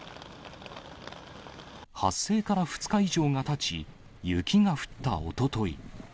発生から２日以上がたち、雪が降ったおととい。